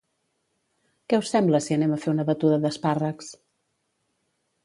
Què us sembla si anem a fer una batuda d'espàrrecs?